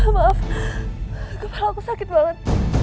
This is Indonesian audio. maaf kepala aku sakit banget